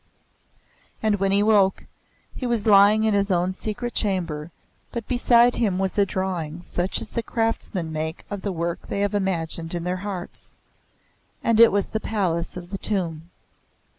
And when he awoke, he was lying in his own secret chamber, but beside him was a drawing such as the craftsmen make of the work they have imagined in their hearts. And it was the Palace of the Tomb.